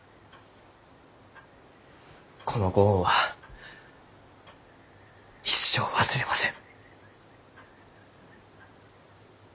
このご恩は一生忘れません。